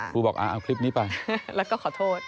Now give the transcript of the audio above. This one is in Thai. ครูบอกเอาคลิปนี้ไปแล้วก็ขอโทษ